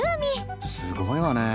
すごいわね。